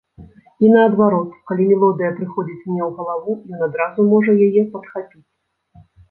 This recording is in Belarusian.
І, наадварот, калі мелодыя прыходзіць мне ў галаву, ён адразу можа яе падхапіць.